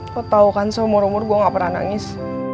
lo tau kan seumur umur gue gak pernah nangis